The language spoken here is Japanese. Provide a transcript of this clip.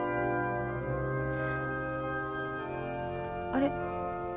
あれ？